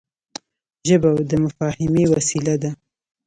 ژبه د مفاهمې وسیله ده